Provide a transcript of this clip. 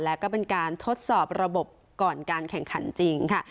และก็เป็นการทดสอบระบบก่อนการแข่งขันจริงค่ะ